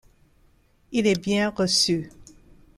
Il est bien reçu.